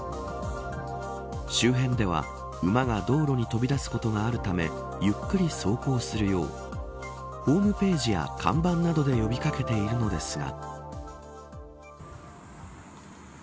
周辺では馬が道路に飛び出すことがあるためゆっくり走行するようホームページや看板などで呼び掛けているのですが。